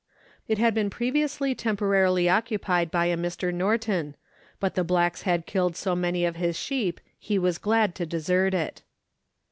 It had been previously temporarily occupied by a Mr. Norton, but the blacks had killed so many of his sheep, he was glad to desert it.